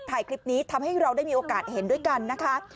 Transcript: ถ่ายคลิปนี้ทำให้เราได้มีโอกาสเห็นด้วยกันนะคะ